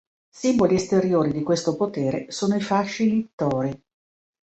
Simboli esteriori di questo potere sono i fasci littori.